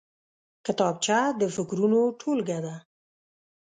کتابچه د فکرونو ټولګه ده